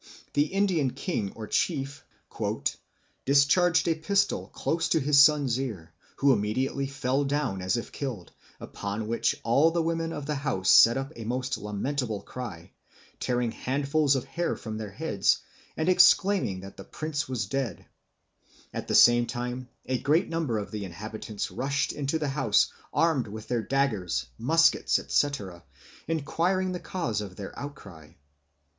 The Indian king or chief "discharged a pistol close to his son's ear, who immediately fell down as if killed, upon which all the women of the house set up a most lamentable cry, tearing handfuls of hair from their heads, and exclaiming that the prince was dead; at the same time a great number of the inhabitants rushed into the house armed with their daggers, muskets, etc., enquiring the cause of their outcry.